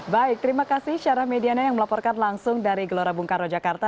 baik terima kasih sarah mediana yang melaporkan langsung dari gelora bungkaro jakarta